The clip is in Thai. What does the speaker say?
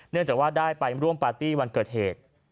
เนื่องจากว่าได้ไปร่วมปาร์ตี้วันเกิดเหตุ